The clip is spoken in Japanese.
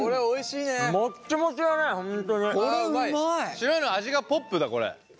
白いの味がポップだこれ。